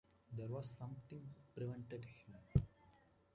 There was something prevented him.